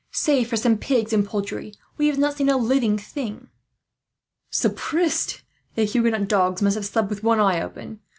Save for some pigs and poultry, we have not seen a living thing." "Sapristie! The Huguenot dogs must have slept with one eye open.